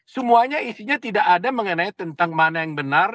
semuanya isinya tidak ada mengenai tentang mana yang benar